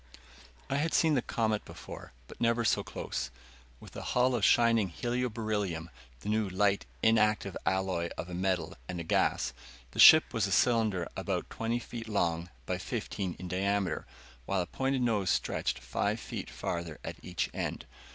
]I had seen the Comet before, but never so close. With a hull of shining helio beryllium the new light, inactive alloy of a metal and a gas the ship was a cylinder about twenty feet long, by fifteen in diameter, while a pointed nose stretched five feet farther at each end.